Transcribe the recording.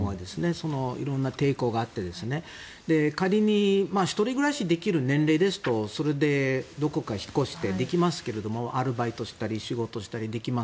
いろいろな抵抗があって仮に１人暮らしできる年齢ですとそれでどこかに引っ越してとかできますけれどもアルバイトしたり仕事したりできます。